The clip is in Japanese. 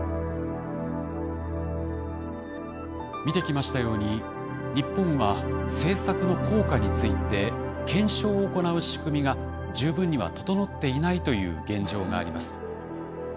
見てきましたように日本は政策の効果について検証を行う仕組みが十分には整っていないという現状があります。